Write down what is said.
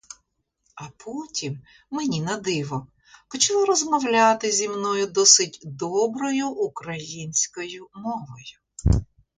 А потім, мені на диво, почала розмовляти зі мною досить доброю українською мовою.